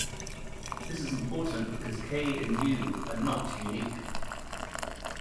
This is important because k and "u" are "not" unique.